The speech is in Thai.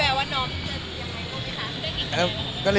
พิแววว่าน้องจะยังไงบ้างค่ะ